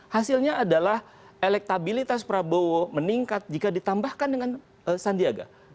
hasilnya adalah elektabilitas prabowo meningkat jika ditambahkan dengan sandiaga